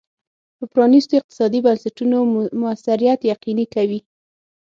د پرانیستو اقتصادي بنسټونو موثریت یقیني کوي.